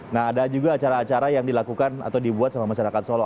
nah ada juga acara acara yang dilakukan atau dibuat sama masyarakat solo